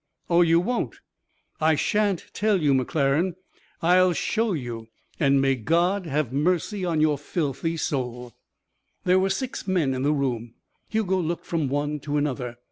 "Oh, you won't." "I shan't tell you, McClaren; I'll show you. And may God have mercy on your filthy soul." There were six men in the room. Hugo looked from one to another.